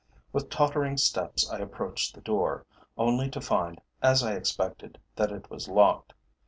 With tottering steps I approached the door, only to find, as I expected, that it was locked.